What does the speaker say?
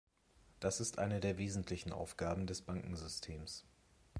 Das ist eine der wesentlichen Aufgaben des Bankensystems.